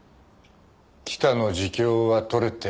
北の自供は取れてます。